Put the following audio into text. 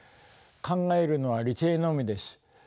考えるのは理性のみです。